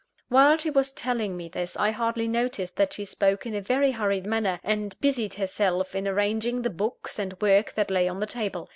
While she was telling me this, I hardly noticed that she spoke in a very hurried manner, and busied herself in arranging the books and work that lay on the table.